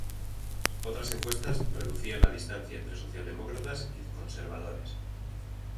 Otras encuestas reducían la distancia entre socialdemócratas y conservadores.